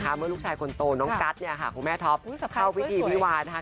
เมื่อลูกชายคนโตน้องกัสเนี่ยค่ะคุณแม่ท็อปเข้าพิธีวิวานะคะ